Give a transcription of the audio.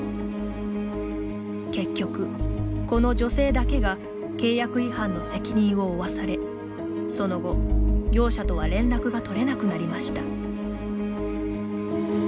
結局、この女性だけが契約違反の責任を負わされその後、業者とは連絡がとれなくなりました。